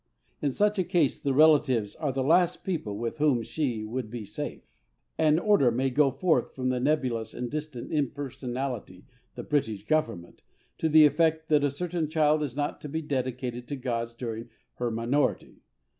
In such a case the relatives are the last people with whom she would be safe. An order may go forth from that nebulous and distant Impersonality, the British Government, to the effect that a certain child is not to be dedicated to gods during her minority.